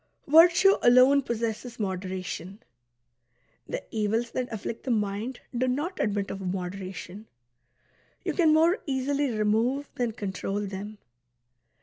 Virtue alone possesses moderation ; the evils that afflict the mind do not admit of moderation. You can more easily remove than control them.